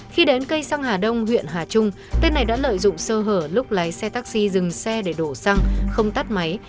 khi đến cây xăng hà đông huyện hà trung tên này đã lợi dụng sơ hở lúc lái xe taxi dừng xe để đổ xăng không tắt máy